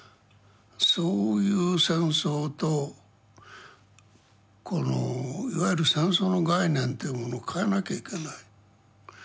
そういう戦争とこのいわゆる戦争の概念というものを変えなきゃいけない。